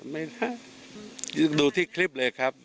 ไม่ได้ดูที่คลิปเลยครับ